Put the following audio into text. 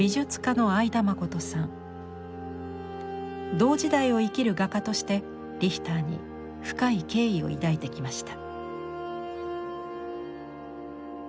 同時代を生きる画家としてリヒターに深い敬意を抱いてきました。